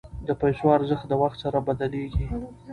د پیسو ارزښت د وخت سره بدلیږي.